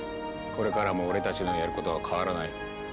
これからも俺たちのやることは変わらない。